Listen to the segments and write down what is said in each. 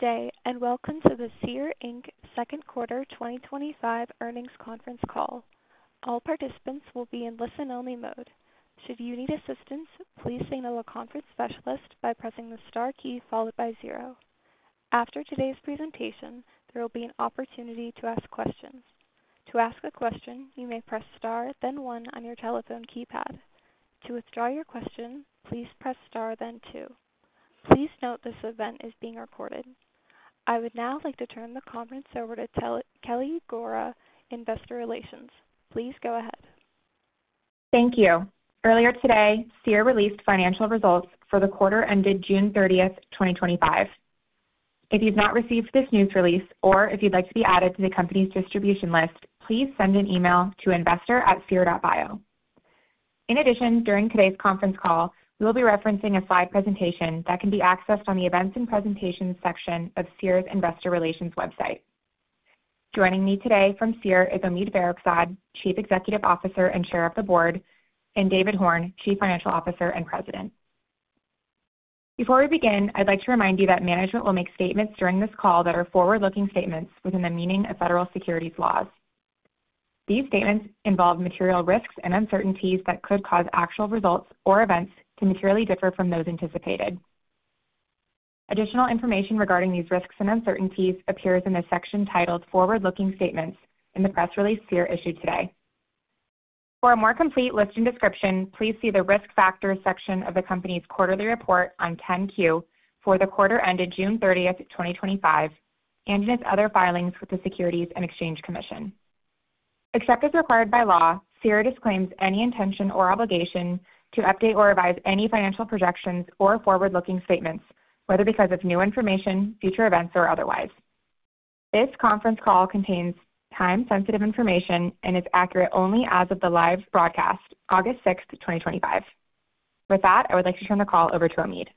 Today, and welcome to the Seer, Inc. Second Quarter 2025 Earnings Conference Call. All participants will be in listen-only mode. Should you need assistance, please signal a conference specialist by pressing the star key followed by zero. After today's presentation, there will be an opportunity to ask questions. To ask a question, you may press star, then one on your telephone keypad. To withdraw your question, please press star, then two. Please note this event is being recorded. I would now like to turn the conference over to Kelly Gura, Investor Relations. Please go ahead. Thank you. Earlier Seer released financial results for the quarter ended June 30th, 2025. If you've not received this news release or if you'd like to be added to the company's distribution list, please send an email to investor@seer.bio. In addition, during today's conference call, we will be referencing a slide presentation that can be accessed on the events and presentations section of Seer's Investor Relations website. Joining me today from Seer is Omid Farokhzad, Chief Executive Officer and Chair of the Board, and David Horn, Chief Financial Officer and President. Before we begin, I'd like to remind you that management will make statements during this call that are forward-looking statements within the meaning of federal securities laws. These statements involve material risks and uncertainties that could cause actual results or events to materially differ from those anticipated. Additional information regarding these risks and uncertainties appears in the section titled Forward-Looking Statements in the press Seer issued today. For a more complete list and description, please see the Risk Factors section of the company's quarterly report on Form 10-Q for the quarter ended June 30th, 2025, and in its other filings with the Securities and Exchange Commission. Except as required by Seer disclaims any intention or obligation to update or revise any financial projections or forward-looking statements, whether because of new information, future events, or otherwise. This conference call contains time-sensitive information and is accurate only as of the live broadcast, August 6th, 2025. With that, I would like to turn the call over to Omid.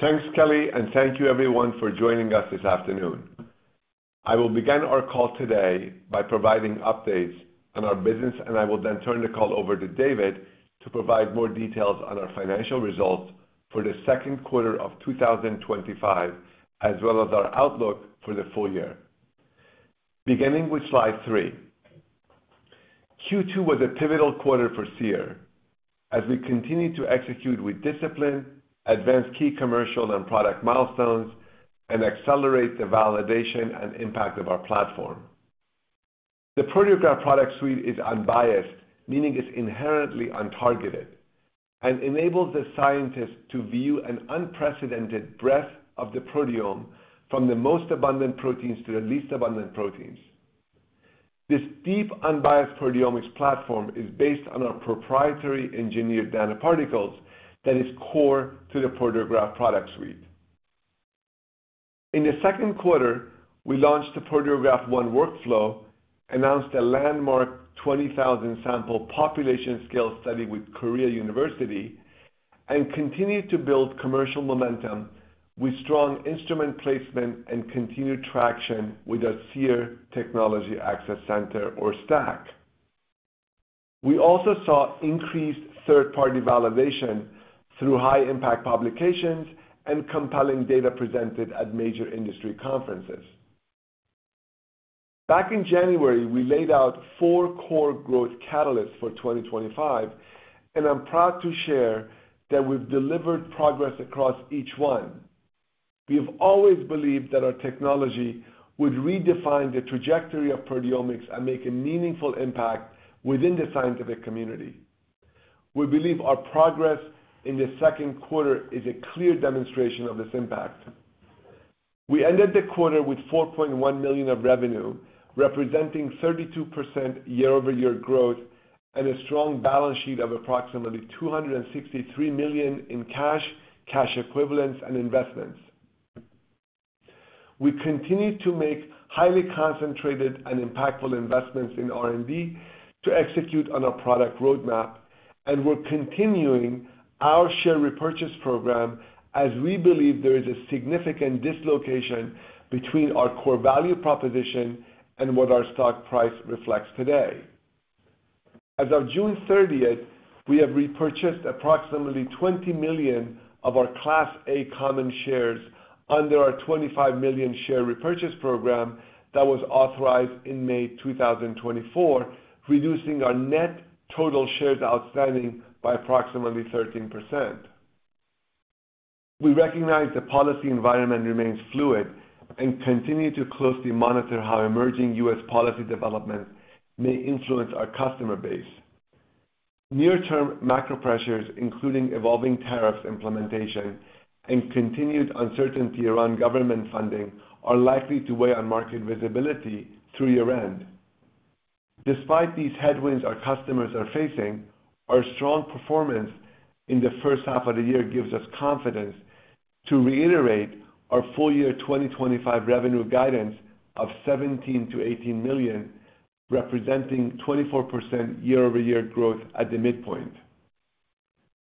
Thanks, Kelly, and thank you everyone for joining us this afternoon. I will begin our call today by providing updates on our business, and I will then turn the call over to David to provide more details on our financial results for the second quarter of 2025, as well as our outlook for the full year. Beginning with slide three, Q2 was a pivotal quarter for Seer. As we continue to execute with discipline, advance key commercial and product milestones, and accelerate the validation and impact of our platform. The Proteograph Product Suite is unbiased, meaning it's inherently untargeted and enables the scientists to view an unprecedented breadth of the proteome from the most abundant proteins to the least abundant proteins. This deep, unbiased proteomics platform is based on our proprietary engineered nanoparticles that is core to the Proteograph Product Suite. In the second quarter, we launched the Proteograph ONE workflow, announced a landmark 20,000 sample population-scale study with Korea University, and continued to build commercial momentum with strong instrument placement and continued traction with the Seer Technology Access Center, or STAC. We also saw increased third-party validation through high-impact publications and compelling data presented at major industry conferences. Back in January, we laid out four core growth catalysts for 2025, and I'm proud to share that we've delivered progress across each one. We have always believed that our technology would redefine the trajectory of proteomics and make a meaningful impact within the scientific community. We believe our progress in the second quarter is a clear demonstration of this impact. We ended the quarter with $4.1 million in revenue, representing 32% year-over-year growth, and a strong balance sheet of approximately $263 million in cash, cash equivalents, and investments. We continue to make highly concentrated and impactful investments in R&D to execute on our product roadmap, and we're continuing our share repurchase program as we believe there is a significant dislocation between our core value proposition and what our stock price reflects today. As of June 30th, we have repurchased approximately $20 million of our Class A common shares under our $25 million share repurchase program that was authorized in May 2024, reducing our net total shares outstanding by approximately 13%. We recognize the policy environment remains fluid and continue to closely monitor how emerging U.S. policy developments may influence our customer base. Near-term macro pressures, including evolving tariffs implementation and continued uncertainty around government funding, are likely to weigh on market visibility through year-end. Despite these headwinds our customers are facing, our strong performance in the first half of the year gives us confidence to reiterate our full-year 2025 revenue guidance of $17 million-$18 million, representing 24% year-over-year growth at the midpoint.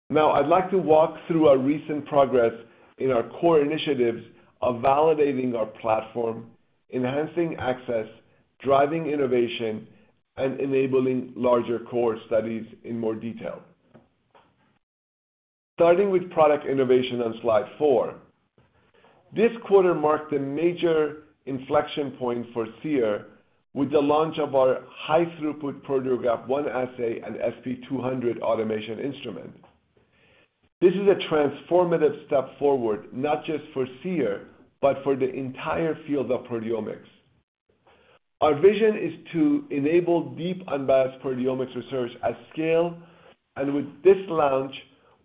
Now, I'd like to walk through our recent progress in our core initiatives of validating our platform, enhancing access, driving innovation, and enabling larger cohort studies in more detail. Starting with product innovation on slide four, this quarter marked the major inflection point Seer with the launch of our high-throughput Proteograph ONE assay and SB200 Automation Instrument. This is a transformative step forward, not just for Seer, but for the entire field of proteomics. Our vision is to enable deep, unbiased proteomics research at scale, and with this launch,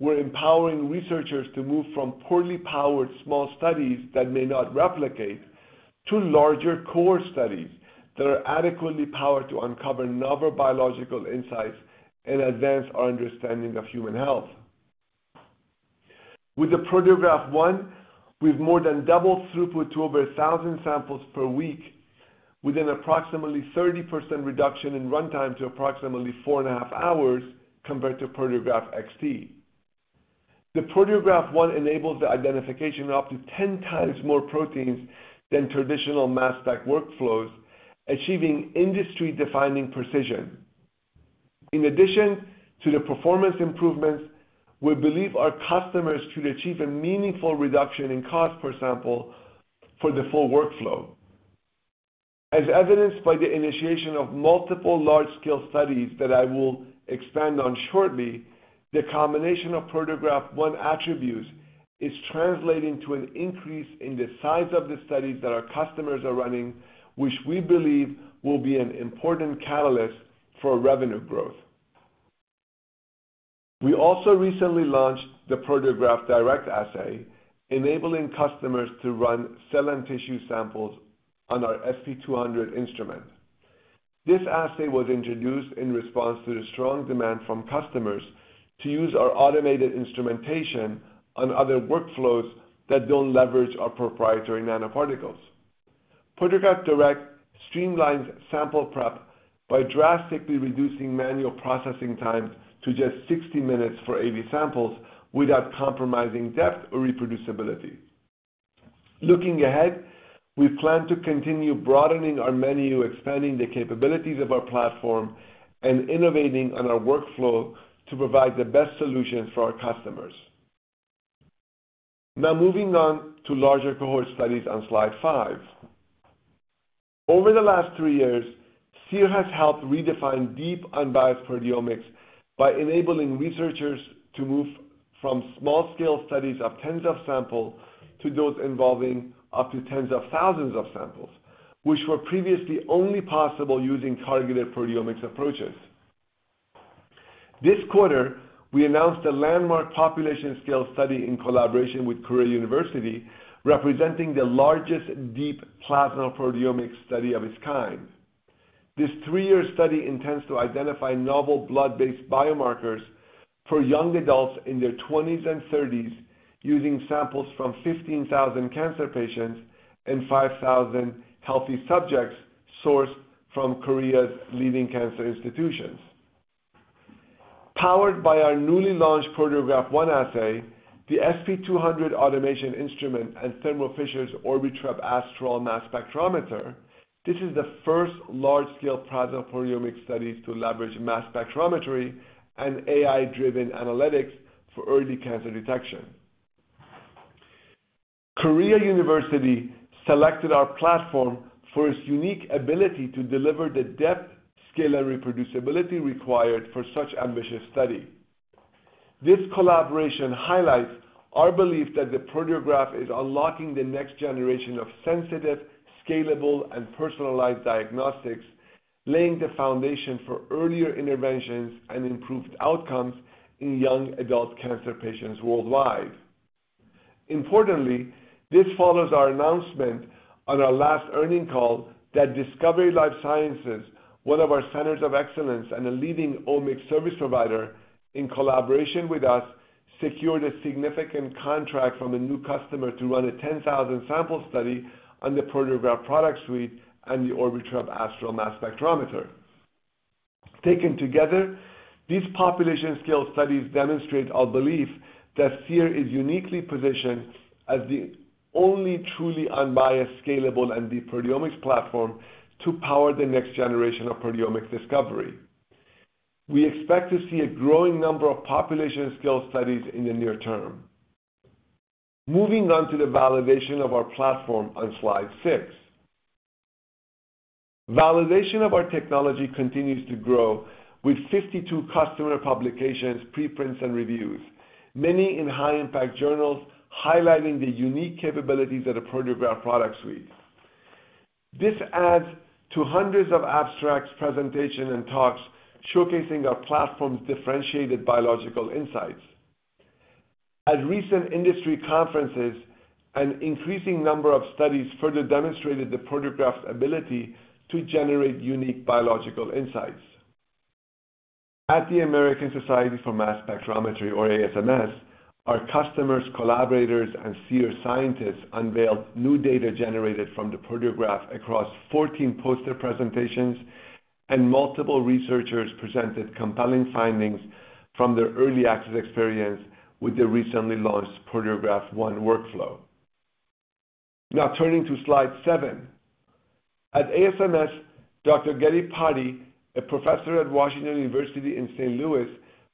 we're empowering researchers to move from poorly powered small studies that may not replicate to larger cohort studies that are adequately powered to uncover novel biological insights and advance our understanding of human health. With the Proteograph ONE, we've more than doubled throughput to over 1,000 samples per week, with an approximately 30% reduction in runtime to approximately four and a half hours compared to Proteograph XT. The Proteograph ONE enables the identification of up to 10x more proteins than traditional mass spec workflows, achieving industry-defining precision. In addition to the performance improvements, we believe our customers could achieve a meaningful reduction in cost per sample for the full workflow. As evidenced by the initiation of multiple large-scale studies that I will expand on shortly, the combination of Proteograph ONE attributes is translating to an increase in the size of the studies that our customers are running, which we believe will be an important catalyst for revenue growth. We also recently launched the Proteograph Direct Assay, enabling customers to run cell and tissue samples on our SB200 instrument. This assay was introduced in response to the strong demand from customers to use our automated instrumentation on other workflows that don't leverage our proprietary nanoparticles. Proteograph Direct streamlines sample prep by drastically reducing manual processing time to just 60 minutes for A/B samples without compromising depth or reproducibility. Looking ahead, we plan to continue broadening our menu, expanding the capabilities of our platform, and innovating on our workflow to provide the best solutions for our customers. Now, moving on to larger cohort studies on slide five. Over the last three Seer has helped redefine deep, unbiased proteomics by enabling researchers to move from small-scale studies of tens of samples to those involving up to tens of thousands of samples, which were previously only possible using targeted proteomics approaches. This quarter, we announced a landmark population-scale study in collaboration with Korea University, representing the largest deep plasma proteomics study of its kind. This three-year study intends to identify novel blood-based biomarkers for young adults in their 20s and 30s using samples from 15,000 cancer patients and 5,000 healthy subjects sourced from Korea's leading cancer institutions. Powered by our newly launched Proteograph ONE assay, the SP200 Automation Instrument, and Thermo Fisher Scientific's Orbitrap Astral Mass Spectrometer, this is the first large-scale plasma proteomics study to leverage mass spectrometry and AI-driven analytics for early cancer detection. Korea University selected our platform for its unique ability to deliver the depth, scale, and reproducibility required for such an ambitious study. This collaboration highlights our belief that the Proteograph is unlocking the next generation of sensitive, scalable, and personalized diagnostics, laying the foundation for earlier interventions and improved outcomes in young adult cancer patients worldwide. Importantly, this follows our announcement on our last earnings call that Discovery Life Sciences, one of our centers of excellence and a leading omic service provider, in collaboration with us, secured a significant contract from a new customer to run a 10,000-sample study on the Proteograph Product Suite and the Orbitrap Astral Mass Spectrometer. Taken together, these population-scale studies demonstrate our belief that Seer is uniquely positioned as the only truly unbiased, scalable, and deep proteomics platform to power the next generation of proteomics discovery. We expect to see a growing number of population-scale studies in the near term. Moving on to the validation of our platform on slide six. Validation of our technology continues to grow with 52 customer publications, preprints, and reviews, many in high-impact journals, highlighting the unique capabilities of the Proteograph Product Suite. This adds to hundreds of abstracts, presentations, and talks showcasing our platform's differentiated biological insights. At recent industry conferences, an increasing number of studies further demonstrated the Proteograph's ability to generate unique biological insights. At the American Society for Mass Spectrometry, or ASMS, our customers, collaborators, and Seer scientists unveiled new data generated from the Proteograph across 14 poster presentations, and multiple researchers presented compelling findings from their early access experience with the recently launched Proteograph ONE workflow. Now, turning to slide seven. At ASMS, Dr. Gary Patti, a Professor at Washington University in St. Louis,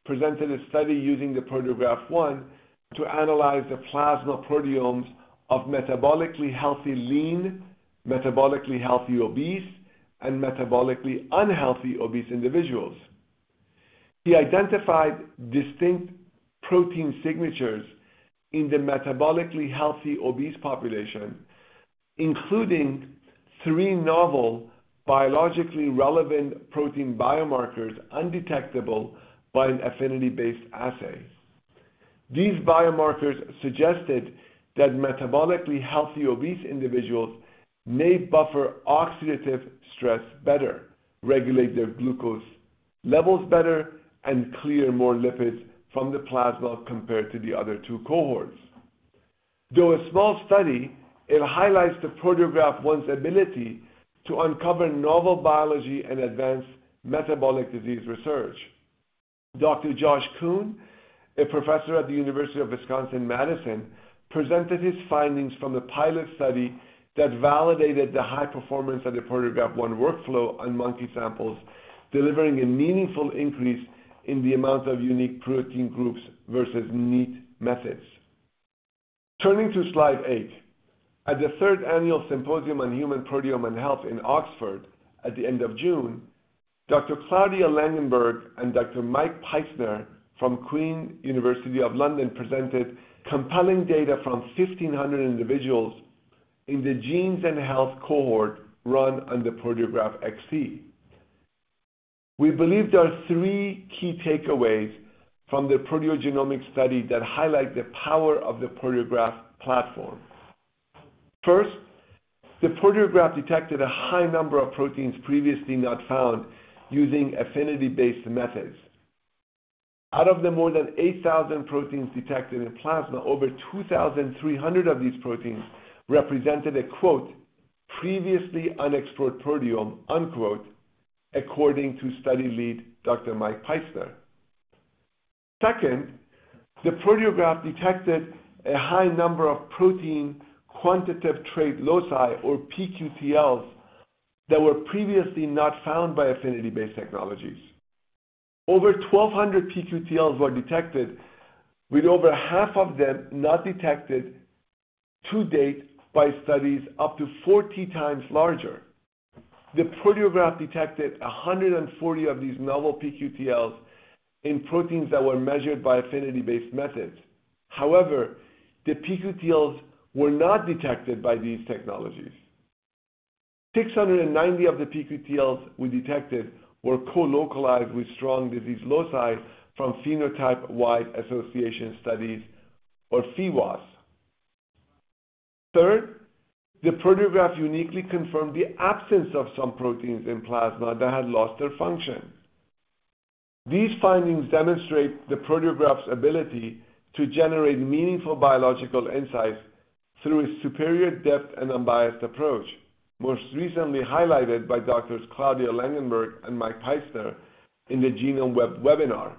presented a study using the Proteograph ONE to analyze the plasma proteomes of metabolically healthy lean, metabolically healthy obese, and metabolically unhealthy obese individuals. He identified distinct protein signatures in the metabolically healthy obese population, including three novel biologically relevant protein biomarkers undetectable by an affinity-based assay. These biomarkers suggested that metabolically healthy obese individuals may buffer oxidative stress better, regulate their glucose levels better, and clear more lipids from the plasma compared to the other two cohorts. Though a small study, it highlights the Proteograph ONE's ability to uncover novel biology and advance metabolic disease research. Dr. Josh Coon, a Professor at the University of Wisconsin-Madison, presented his findings from the pilot study that validated the high performance of the Proteograph ONE workflow on monkey samples, delivering a meaningful increase in the amount of unique protein groups versus NEAT methods. Turning to slide eight. At the third annual Symposium on Human Proteome and Health in Oxford at the end of June, Dr. Claudia Langenberg and Dr. Maik Pietzner from Quee University of London presented compelling data from 1,500 individuals in the Genes and Health cohort run on the Proteograph XT. We believe there are three key takeaways from the proteogenomics study that highlight the power of the Proteograph platform. First, the Proteograph detected a high number of proteins previously not found using affinity-based methods. Out of the more than 8,000 proteins detected in plasma, over 2,300 of these proteins represented a, quote, "previously unexplored proteome," unquote, according to study lead Dr. Maik Pietzner. Second, the Proteograph detected a high number of protein quantitative trait loci, or PQTLs, that were previously not found by affinity-based technologies. Over 1,200 PQTLs were detected, with over half of them not detected to date by studies up to 40x larger. The Proteograph detected 140 of these novel PQTLs in proteins that were measured by affinity-based methods. However, the PQTLs were not detected by these technologies. 690 of the PQTLs we detected were co-localized with strong disease loci from phenotype-wide association studies, or PHEWAS. Third, the Proteograph uniquely confirmed the absence of some proteins in plasma that had lost their function. These findings demonstrate the Proteograph's ability to generate meaningful biological insights through a superior depth and unbiased approach, most recently highlighted by Dr. Claudia Langenberg and Maik Pietzner in the GenomeWeb webinar.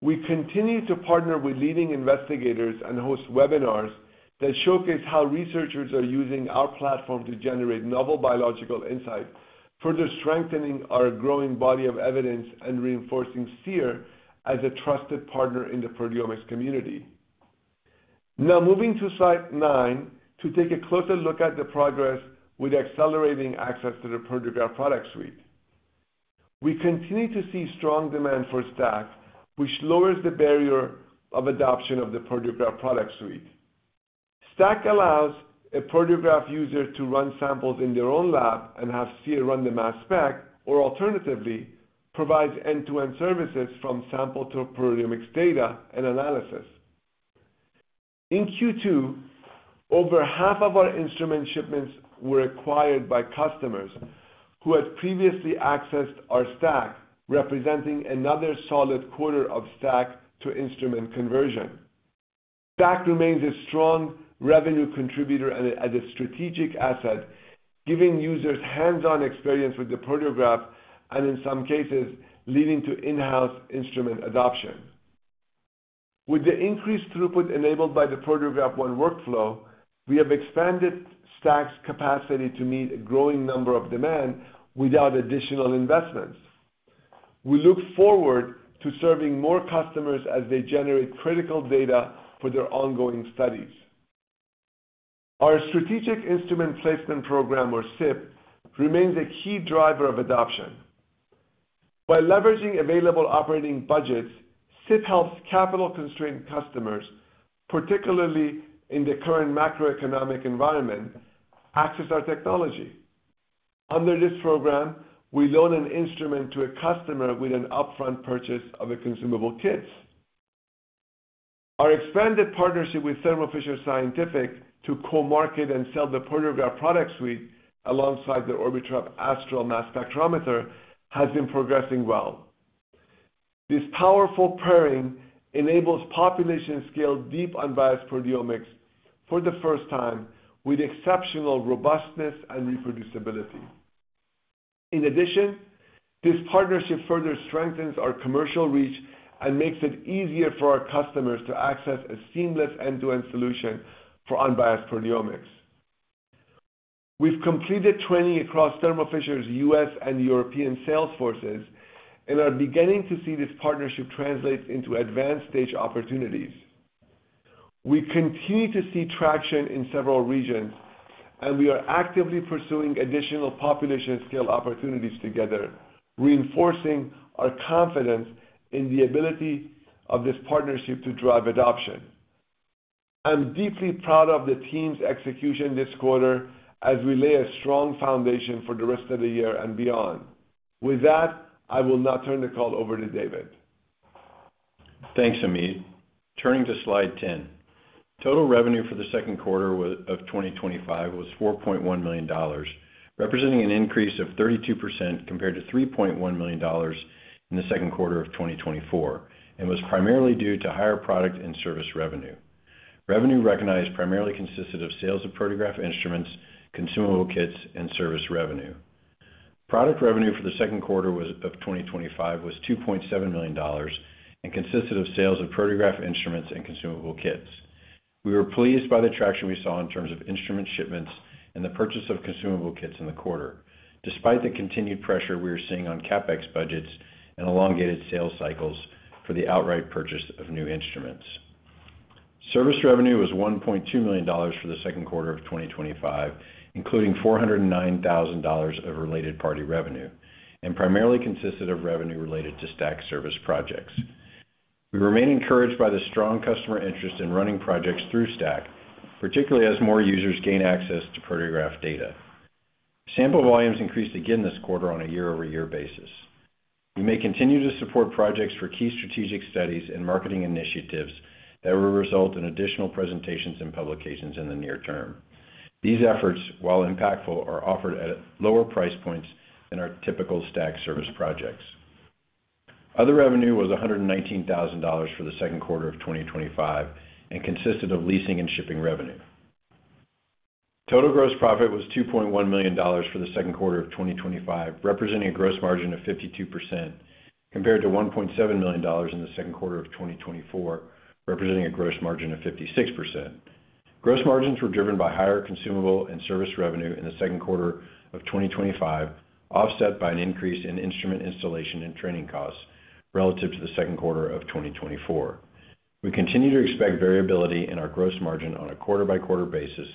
We continue to partner with leading investigators and host webinars that showcase how researchers are using our platform to generate novel biological insights, further strengthening our growing body of evidence and reinforcing Seer as a trusted partner in the proteomics community. Now, moving to slide nine to take a closer look at the progress with accelerating access to the Proteograph Product Suite. We continue to see strong demand for STAC, which lowers the barrier of adoption of the Proteograph Product Suite. STAC allows a Proteograph user to run samples in their own lab and have Seer run the mass spec, or alternatively, provides end-to-end services from sample to proteomics data and analysis. In Q2, over half of our instrument shipments were acquired by customers who had previously accessed our STAC, representing another solid quarter of STAC to instrument conversion. STAC remains a strong revenue contributor and a strategic asset, giving users hands-on experience with the Proteograph and, in some cases, leading to in-house instrument adoption. With the increased throughput enabled by the Proteograph ONE workflow, we have expanded STAC's capacity to meet a growing number of demand without additional investments. We look forward to serving more customers as they generate critical data for their ongoing studies. Our Strategic Instrument Placement Program, or SIP, remains a key driver of adoption. By leveraging available operating budgets, SIP helps capital-constrained customers, particularly in the current macroeconomic environment, access our technology. Under this program, we loan an instrument to a customer with an upfront purchase of a consumable kit. Our expanded partnership with Thermo Fisher Scientific to co-market and sell the Proteograph Product Suite alongside the Orbitrap Astral Mass Spectrometer has been progressing well. This powerful pairing enables population-scale deep, unbiased proteomics for the first time with exceptional robustness and reproducibility. In addition, this partnership further strengthens our commercial reach and makes it easier for our customers to access a seamless end-to-end solution for unbiased proteomics. We've completed training across Thermo Fisher Scientific's U.S. and European sales forces and are beginning to see this partnership translate into advanced-stage opportunities. We continue to see traction in several regions, and we are actively pursuing additional population-scale opportunities together, reinforcing our confidence in the ability of this partnership to drive adoption. I'm deeply proud of the team's execution this quarter as we lay a strong foundation for the rest of the year and beyond. With that, I will now turn the call over to David. Thanks, Omid. Turning to slide ten, total revenue for the second quarter of 2025 was $4.1 million, representing an increase of 32% compared to $3.1 million in the second quarter of 2024, and was primarily due to higher product and service revenue. Revenue recognized primarily consisted of sales of Proteograph instruments, consumable kits, and service revenue. Product revenue for the second quarter of 2025 was $2.7 million and consisted of sales of Proteograph instruments and consumable kits. We were pleased by the traction we saw in terms of instrument shipments and the purchase of consumable kits in the quarter, despite the continued pressure we are seeing on CapEx budgets and elongated sales cycles for the outright purchase of new instruments. Service revenue was $1.2 million for the second quarter of 2025, including $409,000 of related party revenue, and primarily consisted of revenue related to STAC service projects. We remain encouraged by the strong customer interest in running projects through STAC, particularly as more users gain access to Proteograph data. Sample volumes increased again this quarter on a year-over-year basis. We may continue to support projects for key strategic studies and marketing initiatives that will result in additional presentations and publications in the near term. These efforts, while impactful, are offered at lower price points than our typical STAC service projects. Other revenue was $119,000 for the second quarter of 2025 and consisted of leasing and shipping revenue. Total gross profit was $2.1 million for the second quarter of 2025, representing a gross margin of 52% compared to $1.7 million in the second quarter of 2024, representing a gross margin of 56%. Gross margins were driven by higher consumable and service revenue in the second quarter of 2025, offset by an increase in instrument installation and training costs relative to the second quarter of 2024. We continue to expect variability in our gross margin on a quarter-by-quarter basis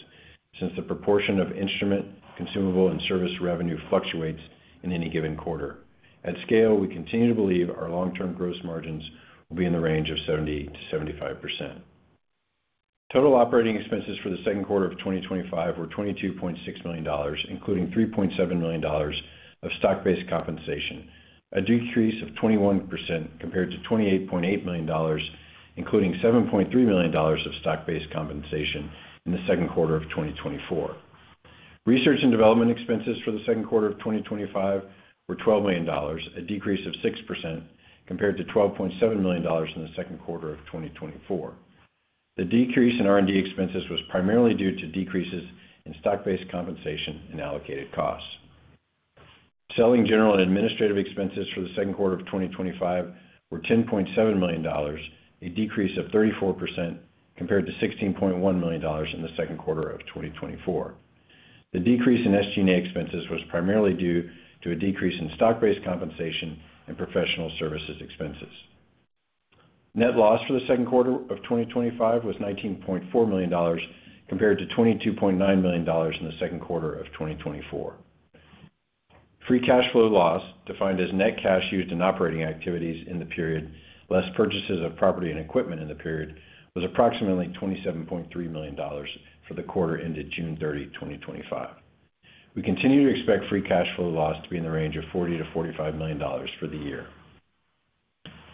since the proportion of instrument, consumable, and service revenue fluctuates in any given quarter. At scale, we continue to believe our long-term gross margins will be in the range of 70%-75%. Total operating expenses for the second quarter of 2025 were $22.6 million, including $3.7 million of stock-based compensation, a decrease of 21% compared to $28.8 million, including $7.3 million of stock-based compensation in the second quarter of 2024. Research and development expenses for the second quarter of 2025 were $12 million, a decrease of 6% compared to $12.7 million in the second quarter of 2024. The decrease in R&D expenses was primarily due to decreases in stock-based compensation and allocated costs. Selling, general, and administrative expenses for the second quarter of 2025 were $10.7 million, a decrease of 34% compared to $16.1 million in the second quarter of 2024. The decrease in SG&A expenses was primarily due to a decrease in stock-based compensation and professional services expenses. Net loss for the second quarter of 2025 was $19.4 million compared to $22.9 million in the second quarter of 2024. Free cash flow loss, defined as net cash used in operating activities in the period less purchases of property and equipment in the period, was approximately $27.3 million for the quarter ended June 30, 2025. We continue to expect free cash flow loss to be in the range of $40 million-$45 million for the year.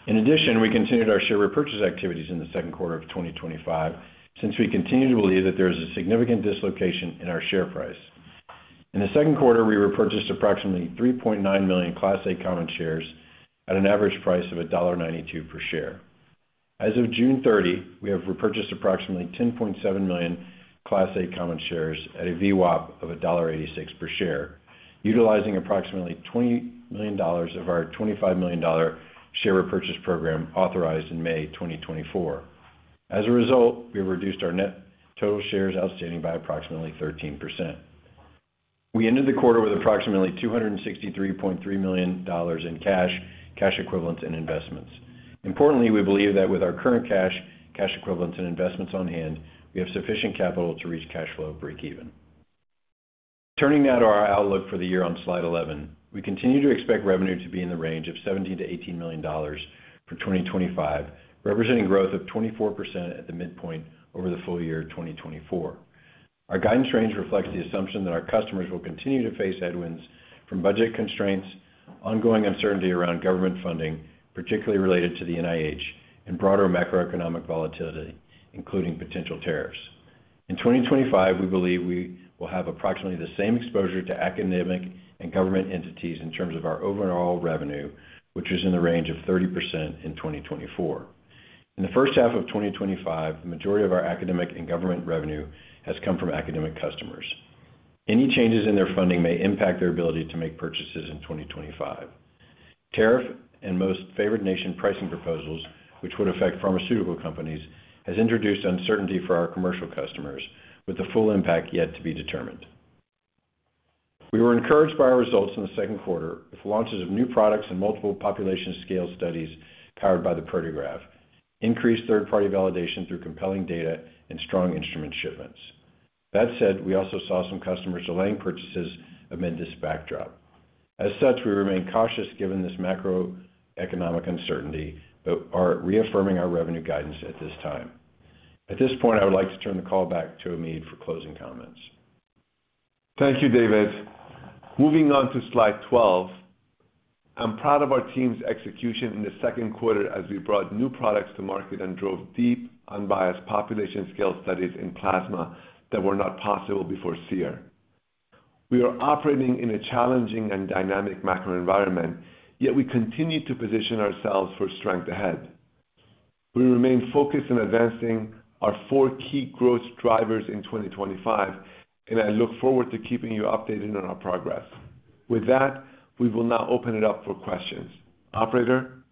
In addition, we continued our share repurchase activities in the second quarter of 2025 since we continue to believe that there is a significant dislocation in our share price. In the second quarter, we repurchased approximately 3.9 million Class A common shares at an average price of $1.92 per share. As of June 30, we have repurchased approximately 10.7 million Class A common shares at a VWAP of $1.86 per share, utilizing approximately $20 million of our $25 million share repurchase program authorized in May 2024. As a result, we have reduced our net total shares outstanding by approximately 13%. We ended the quarter with approximately $263.3 million in cash, cash equivalents, and investments. Importantly, we believe that with our current cash, cash equivalents, and investments on hand, we have sufficient capital to reach cash flow break-even. Turning now to our outlook for the year on slide 11, we continue to expect revenue to be in the range of $17 million-$18 million for 2025, representing growth of 24% at the midpoint over the full year of 2024. Our guidance range reflects the assumption that our customers will continue to face headwinds from budget constraints, ongoing uncertainty around government funding, particularly related to the NIH, and broader macroeconomic volatility, including potential tariffs. In 2025, we believe we will have approximately the same exposure to academic and government entities in terms of our overall revenue, which is in the range of 30% in 2024. In the first half of 2025, the majority of our academic and government revenue has come from academic customers. Any changes in their funding may impact their ability to make purchases in 2025. Tariff and most favored nation pricing proposals, which would affect pharmaceutical companies, have introduced uncertainty for our commercial customers, with the full impact yet to be determined. We were encouraged by our results in the second quarter with launches of new products and multiple population-scale studies powered by the Proteograph, increased third-party validation through compelling data, and strong instrument shipments. That said, we also saw some customers delaying purchases amid this backdrop. As such, we remain cautious given this macroeconomic uncertainty, but are reaffirming our revenue guidance at this time. At this point, I would like to turn the call back to Omid for closing comments. Thank you, David. Moving on to slide 12, I'm proud of our team's execution in the second quarter as we brought new products to market and drove deep, unbiased population-scale studies in plasma that were not possible before Seer. We are operating in a challenging and dynamic macro environment, yet we continue to position ourselves for strength ahead. We remain focused on advancing our four key growth drivers in 2025, and I look forward to keeping you updated on our progress. With that, we will now open it up for questions. Operator?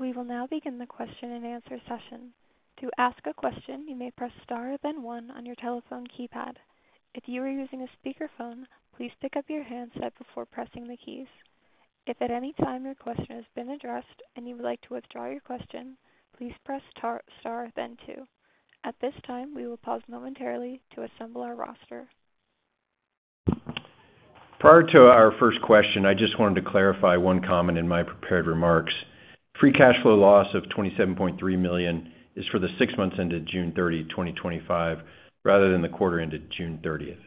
We will now begin the question and answer session. To ask a question, you may press star then one on your telephone keypad. If you are using a speakerphone, please pick up your handset before pressing the keys. If at any time your question has been addressed and you would like to withdraw your question, please press star then two. At this time, we will pause momentarily to assemble our roster. Prior to our first question, I just wanted to clarify one comment in my prepared remarks. Free cash flow loss of $27.3 million is for the six months ended June 30, 2025, rather than the quarter ended June 30th.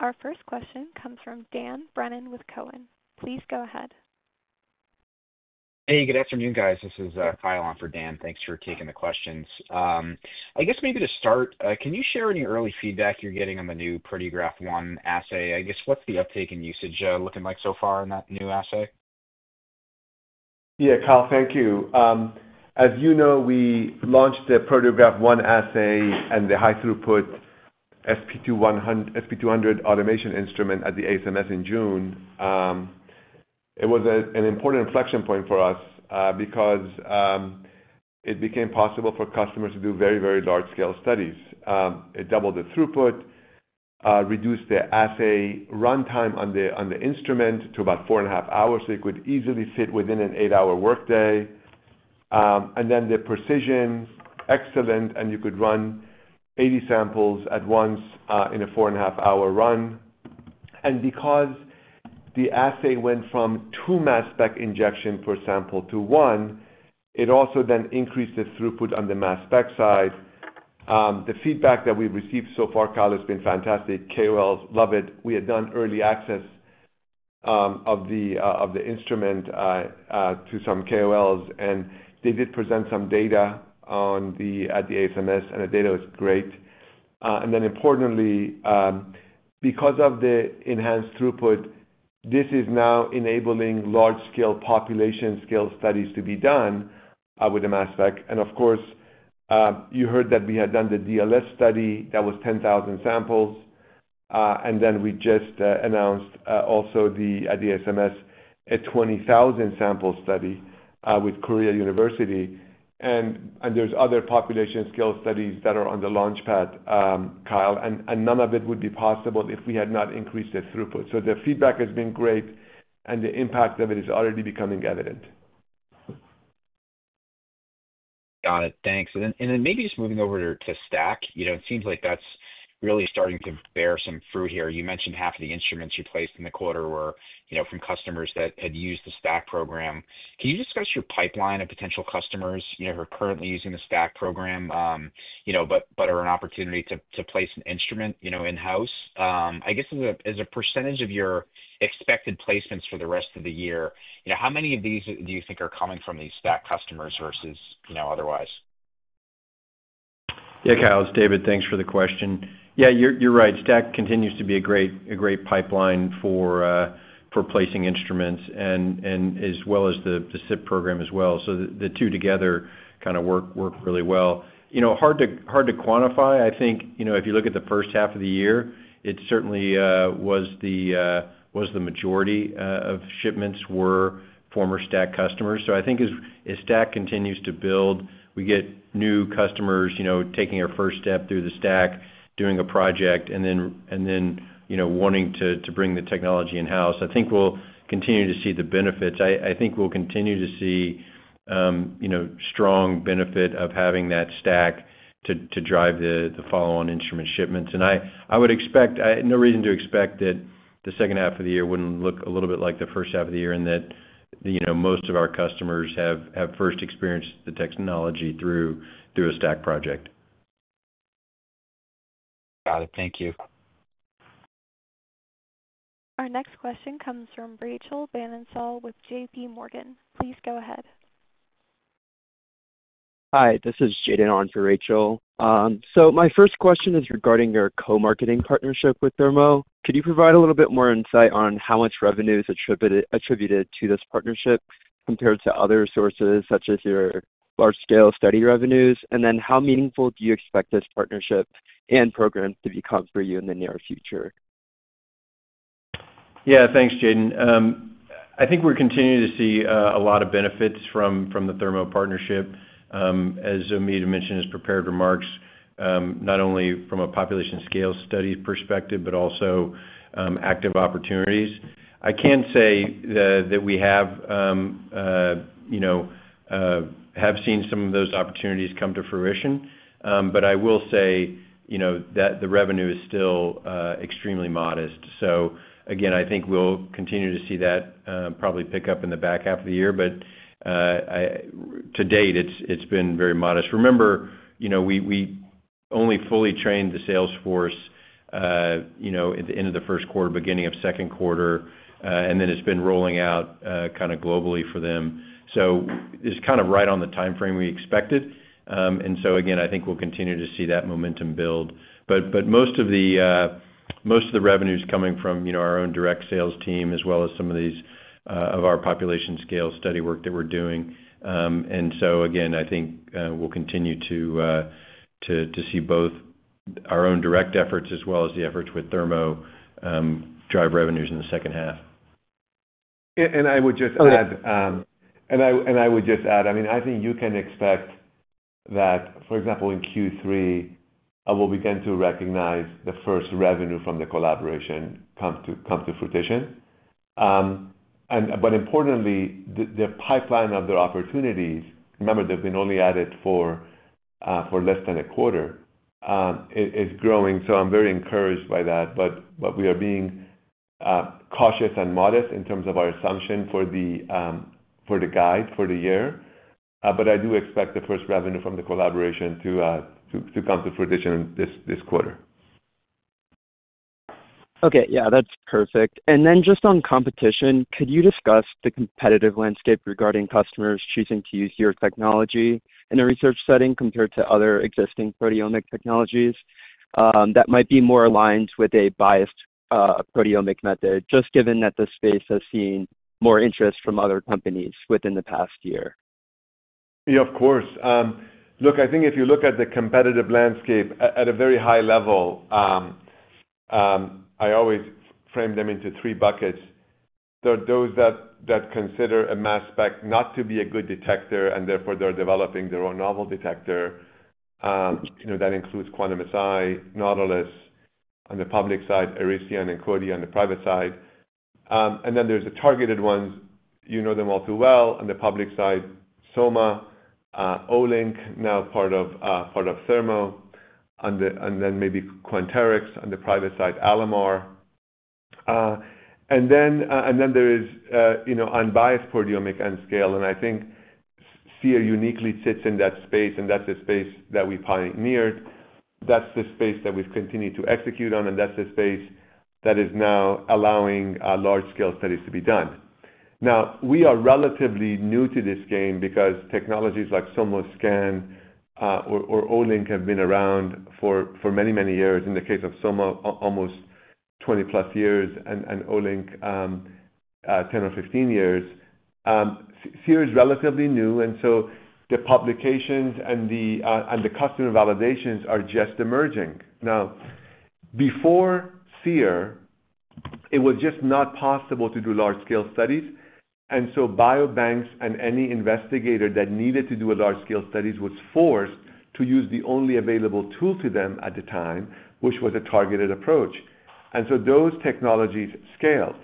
Our first question comes from Dan Brennan with Cowen. Please go ahead. Hey, good afternoon, guys. This is Kyle on for Dan. Thanks for taking the questions. I guess maybe to start, can you share any early feedback you're getting on the new Proteograph ONE assay? I guess what's the uptake in usage looking like so far on that new assay? Yeah, Kyle, thank you. As you know, we launched the Proteograph ONE assay and the high-throughput SB200 Automation Instrument at the ASMS in June. It was an important inflection point for us because it became possible for customers to do very, very large-scale studies. It doubled the throughput, reduced the assay runtime on the instrument to about four and a half hours, so it could easily fit within an eight-hour workday. The precision, excellent, and you could run 80 samples at once in a four and a half hour run. Because the assay went from two mass-spec injections per sample to one, it also then increased the throughput on the mass spec side. The feedback that we've received so far, Kyle, has been fantastic. KOLs love it. We had done early access of the instrument to some KOLs, and they did present some data at the ASMS, and the data was great. Importantly, because of the enhanced throughput, this is now enabling large-scale population-scale studies to be done with the mass spec. Of course, you heard that we had done the Discovery Life Sciences study that was 10,000 samples, and we just announced also at the ASMS a 20,000-sample study with Korea University. There are other population-scale studies that are on the launchpad, Kyle, and none of it would be possible if we had not increased the throughput. The feedback has been great, and the impact of it is already becoming evident. Got it. Thanks. Maybe just moving over to STAC, it seems like that's really starting to bear some fruit here. You mentioned half of the instruments you placed in the quarter were from customers that had used the STAC program. Can you discuss your pipeline of potential customers who are currently using the STAC program, but are an opportunity to place an instrument in-house? As a percentage of your expected placements for the rest of the year, how many of these do you think are coming from these STAC customers versus otherwise? Yeah, Kyle, it's David. Thanks for the question. Yeah, you're right. STAC continues to be a great pipeline for placing instruments as well as the SIP program as well. The two together kind of work really well. Hard to quantify. I think if you look at the first half of the year, it certainly was the majority of shipments were former STAC customers. I think as STAC continues to build, we get new customers taking our first step through the STAC, doing a project, and then wanting to bring the technology in-house. I think we'll continue to see the benefits. I think we'll continue to see a strong benefit of having that STAC to drive the follow-on instrument shipments. I would expect, no reason to expect that the second half of the year wouldn't look a little bit like the first half of the year and that most of our customers have first experienced the technology through a STAC project. Got it. Thank you. Our next question comes from Rachel Vatnsdal with JP Morgan. Please go ahead. Hi, this is Jaden on for Rachel. My first question is regarding your co-marketing partnership with Thermo Fisher Scientific. Could you provide a little bit more insight on how much revenue is attributed to this partnership compared to other sources, such as your large-scale study revenues? How meaningful do you expect this partnership and program to become for you in the near future? Yeah, thanks, Jaden. I think we're continuing to see a lot of benefits from the Thermo Fisher Scientific partnership. As Omid mentioned in his prepared remarks, not only from a population-scale study perspective, but also active opportunities. I can say that we have seen some of those opportunities come to fruition, but I will say that the revenue is still extremely modest. I think we'll continue to see that probably pick up in the back half of the year, but to date, it's been very modest. Remember, we only fully trained the sales force at the end of the first quarter, beginning of second quarter, and then it's been rolling out kind of globally for them. It's kind of right on the timeframe we expected. I think we'll continue to see that momentum build. Most of the revenue is coming from our own direct sales team, as well as some of these of our population-scale study work that we're doing. I think we'll continue to see both our own direct efforts as well as the efforts with Thermo Fisher Scientific drive revenues in the second half. I would just add, I think you can expect that, for example, in Q3, I will begin to recognize the first revenue from the collaboration come to fruition. Importantly, the pipeline of the opportunities, remember, they've been only added for less than a quarter, is growing. I'm very encouraged by that. We are being cautious and modest in terms of our assumption for the guide for the year. I do expect the first revenue from the collaboration to come to fruition this quarter. Okay, yeah, that's perfect. Then just on competition, could you discuss the competitive landscape regarding customers choosing to use your technology in a research setting compared to other existing proteomic technologies that might be more aligned with a biased proteomic method, just given that the space has seen more interest from other companies within the past year? Yeah, of course. Look, I think if you look at the competitive landscape at a very high level, I always frame them into three buckets. There are those that consider a mass spec not to be a good detector, and therefore they're developing their own novel detector. That includes Quantum-Si, Nautilus, on the public side, Aristeon and Qwerty on the private side. Then there's the targeted ones, you know them all too well, on the public side, Soma, Olink, now part of Thermo Fisher Scientific, and then maybe Quanterix on the private side, Alamar. Then there is unbiased proteomics and scale, and I think Seer uniquely sits in that space, and that's a space that we pioneered. That's the space that we've continued to execute on, and that's the space that is now allowing large-scale studies to be done. We are relatively new to this game because technologies like SomaScan or Olink have been around for many, many years. In the case of Soma, almost 20 plus years, and Olink, 10 or 15 years. Seer is relatively new, and so the publications and the customer validations are just emerging. Before Seer, it was just not possible to do large-scale studies, and biobanks and any investigator that needed to do large-scale studies was forced to use the only available tool to them at the time, which was a targeted approach. Those technologies scaled.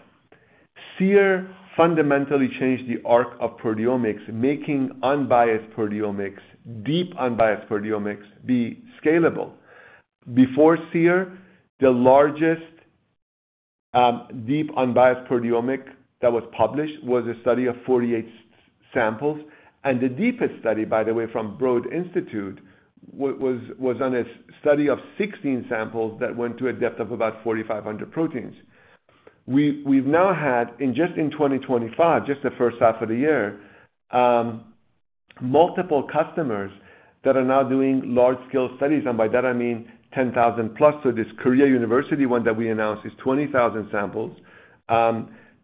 Seer fundamentally changed the arc of proteomics, making unbiased proteomics, deep unbiased proteomics, be scalable. Before Seer, the largest deep unbiased proteomic that was published was a study of 48 samples, and the deepest study, by the way, from Broad Institute was on a study of 16 samples that went to a depth of about 4,500 proteins. We've now had, just in 2025, just the first half of the year, multiple customers that are now doing large-scale studies, and by that I mean 10,000+. This Korea University one that we announced is 20,000 samples.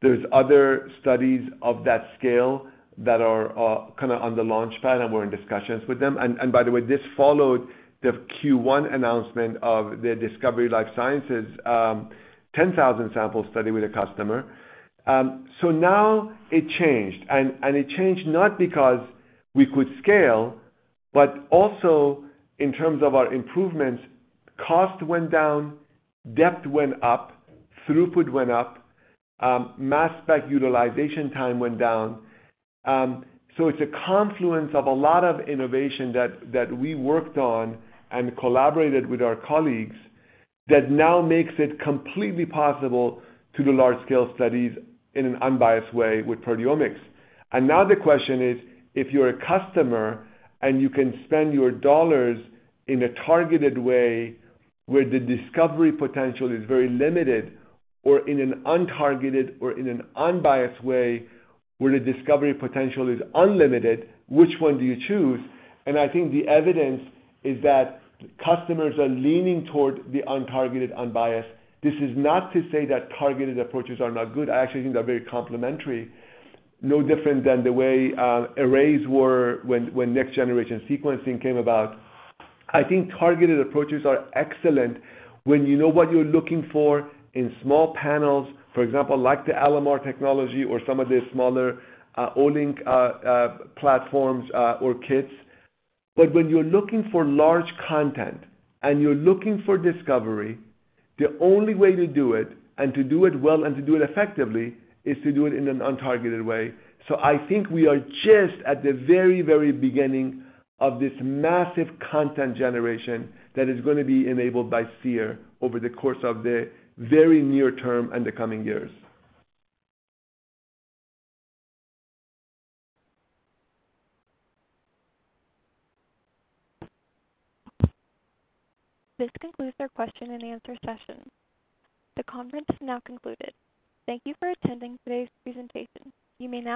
There are other studies of that scale that are kind of on the launchpad, and we're in discussions with them. By the way, this followed the Q1 announcement of the Discovery Life Sciences 10,000-sample study with a customer. It changed, and it changed not because we could scale, but also in terms of our improvements. Cost went down, depth went up, throughput went up, mass-spec utilization time went down. It is a confluence of a lot of innovation that we worked on and collaborated with our colleagues that now makes it completely possible to do large-scale studies in an unbiased way with proteomics. Now the question is, if you're a customer and you can spend your dollars in a targeted way where the discovery potential is very limited, or in an untargeted or in an unbiased way where the discovery potential is unlimited, which one do you choose? I think the evidence is that customers are leaning toward the untargeted, unbiased. This is not to say that targeted approaches are not good. I actually think they're very complementary, no different than the way arrays were when next generation sequencing came about. I think targeted approaches are excellent when you know what you're looking for in small panels, for example, like the Alamar technology or some of the smaller Olink platforms or kits. When you're looking for large content and you're looking for discovery, the only way to do it, and to do it well, and to do it effectively, is to do it in an untargeted way. I think we are just at the very, very beginning of this massive content generation that is going to be enabled by Seer over the course of the very near term and the coming years. This concludes our question and answer session. The conference is now concluded. Thank you for attending today's presentation. You may now.